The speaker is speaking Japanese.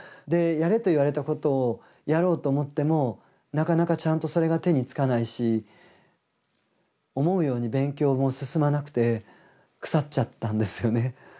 でやれと言われたことをやろうと思ってもなかなかちゃんとそれが手に付かないし思うように勉強も進まなくてくさっちゃったんですよね。